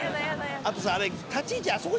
あとさあれ。